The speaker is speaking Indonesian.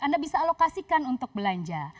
anda bisa alokasikan untuk belanja